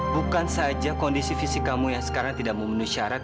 bukan saja kondisi fisik kamu yang sekarang tidak memenuhi syarat